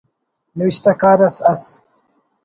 نوشتہ کار اس ئس